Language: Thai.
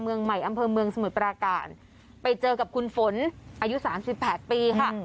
เมืองใหม่อำเภอเมืองสมุทรปราการไปเจอกับคุณฝนอายุสามสิบแปดปีค่ะ